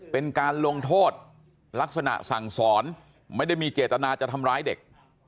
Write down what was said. เป็นการลงโทษลักษณะสั่งสอนไม่ได้มีเจตนาจะทำร้ายเด็ก